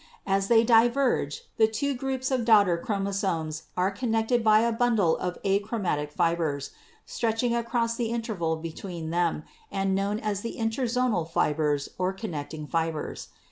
As they diverge the two groups of daughter chromosomes are connected by a bundle of achromatic fibers, stretching across the interval between them and known as the interzonal fibers or connecting fibers.